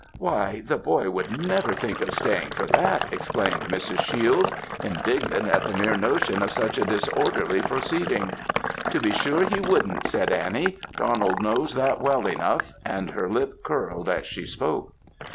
"Why, the boy would never think of staying for that!" exclaimed Mrs. Shiels; indignant at the mere notion of such a disorderly proceeding. "To be sure, he wouldn't," said Annie; "Donald knows that well enough;" and her lip curled as she spoke!